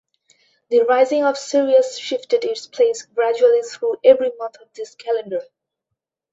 The rising of Sirius shifted its place gradually through every month of the calendar.